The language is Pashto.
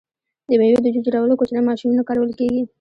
د میوو د جوس جوړولو کوچنۍ ماشینونه کارول کیږي.